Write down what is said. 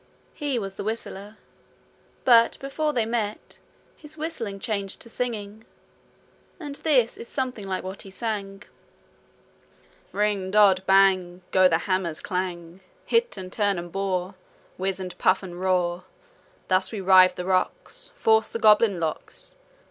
He was the whistler; but before they met his whistling changed to singing. And this is something like what he sang: 'Ring! dod! bang! Go the hammers' clang! Hit and turn and bore! Whizz and puff and roar! Thus we rive the rocks, Force the goblin locks.